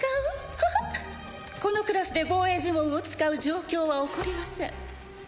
フフッこのクラスで防衛呪文を使う状況は起こりません